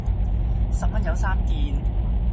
十蚊有三件